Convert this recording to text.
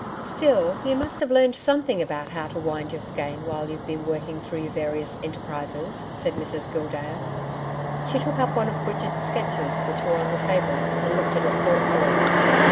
'Still, you must have learned something about how to wind your skein while you've been working through your various enterprises,' said Mrs Gildea. She took up one of Bridget's sketches which were on the table and looked at it thoughtfully.